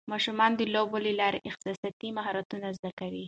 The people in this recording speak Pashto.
ماشومان د لوبو له لارې احساساتي مهارتونه زده کوي.